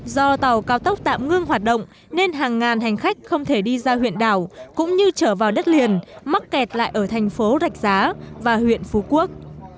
do tàu cao tốc tạm ngưng hoạt động nên hàng ngàn hành khách không thể đi ra huyện đảo cũng như trở vào đất liền mắc kẹt lại ở thành phố rạch giá và huyện phú quốc